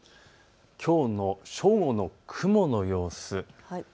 きょうの正午の雲の様子。